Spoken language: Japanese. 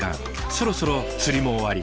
そろそろ釣りも終わり。